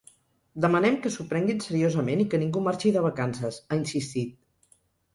Demanem que s’ho prenguin seriosament i que ningú marxi de vacances, ha insistit.